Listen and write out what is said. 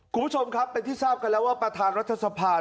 คุณผู้ชมครับเป็นที่ทราบกันแล้วว่าประธานรัฐสภา